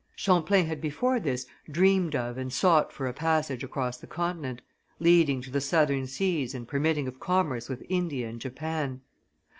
Champlain had before this dreamed of and sought for a passage across the continent, leading to the Southern seas and permitting of commerce with India and Japan.